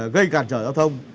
gây cản trở giao thông